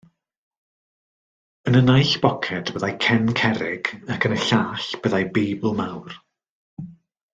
Yn y naill boced byddai cen cerrig ac yn y llall byddai Beibl mawr.